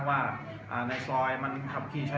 แต่ว่าเมืองนี้ก็ไม่เหมือนกับเมืองอื่น